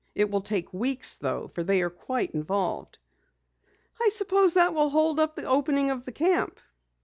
It will take weeks though, for they are quite involved." "I suppose that will hold up the opening of the camp."